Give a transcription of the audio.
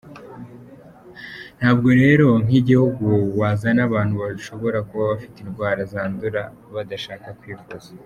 Ntabwo rero nk’igihugu wazana abantu bashobora kuba bafite indwara zandura, badashaka kwivuza.